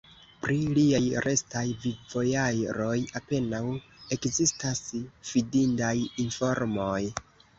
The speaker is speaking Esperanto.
Pri liaj restaj vivojaroj apenaŭ ekzistas fidindaj informoj.